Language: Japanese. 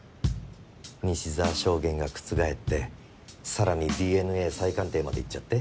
西澤証言が覆って更にＤＮＡ再鑑定までいっちゃって？